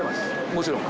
もちろん。